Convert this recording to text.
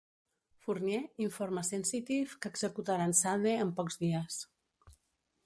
Fournier informa Sensitive que executaran Sade en pocs dies.